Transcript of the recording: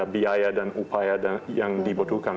biaya dan upaya yang dibutuhkan